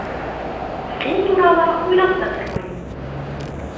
— Ул турала уйлап та тормайым.